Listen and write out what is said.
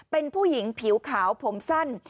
เป็นผู้หญิงผิวขาวผมสั้น